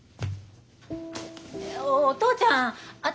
お父ちゃん頭